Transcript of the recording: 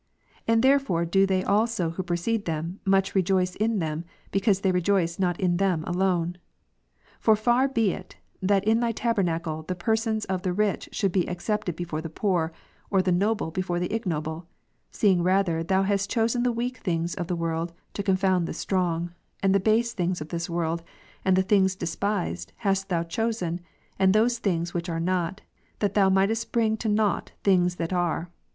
And therefore do they also who preceded them, much rejoice in them, because they rejoice not in them alone. For far be it, that in Thy tabernacle the persons of the rich should be accepted before the poor, or the noble before the ignoble ; seeing rather Thou hast chosen theiveak things of the world, to confound the strong ; and the base things of this ivorld, and the things despised hast Thou chosen, and those things which are not, that Thou mightest bring to nought things that are.